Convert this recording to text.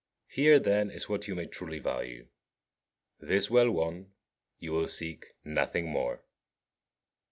Here, then, is what you may truly value: this well won, you will seek for nothing more.